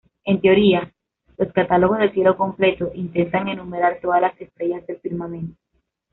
En teoría, los catálogos del cielo completo intentan enumerar todas las estrellas del firmamento.